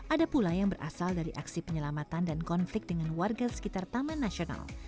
ada pula yang berasal dari aksi penyelamatan dan konflik dengan warga sekitar taman nasional